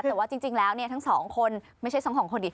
แต่ว่าจริงแล้วทั้ง๒คนไม่ใช่๒คนดิ